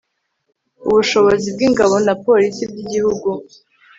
ubushobozi bw'ingabo na polisi by' igihugu